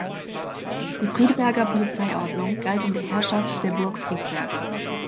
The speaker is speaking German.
Die "Friedberger Polizeiordnung" galt in der Herrschaft der Burg Friedberg.